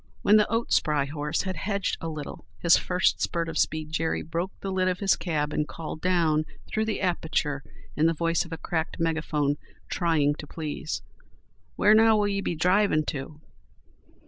When the oat spry horse had hedged a little his first spurt of speed Jerry broke the lid of his cab and called down through the aperture in the voice of a cracked megaphone, trying to please: "Where, now, will ye be drivin' to?"